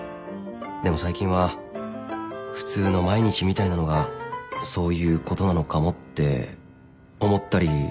でも最近は普通の毎日みたいなのがそういうことなのかもって思ったり思わなかったり。